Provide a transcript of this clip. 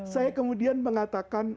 saya kemudian mengatakan